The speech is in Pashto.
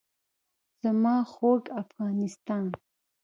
زما خوږ افغانستان.